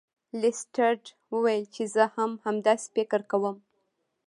لیسټرډ وویل چې زه هم همداسې فکر کوم.